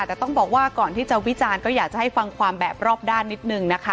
แต่ต้องบอกว่าก่อนที่จะวิจารณ์ก็อยากจะให้ฟังความแบบรอบด้านนิดนึงนะคะ